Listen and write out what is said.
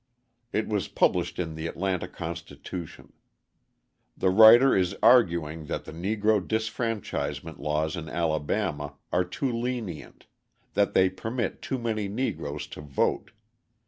It was published in the Atlanta Constitution. The writer is arguing that the Negro disfranchisement laws in Alabama are too lenient, that they permit too many Negroes to vote.